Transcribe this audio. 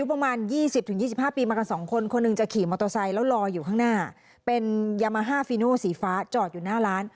วันที่มอเตอร์ไซค์แล้วรออยู่ข้างหน้าเป็นยามาฮ่าฟีนู้สีฟ้าจอดอยู่หน้าร้าน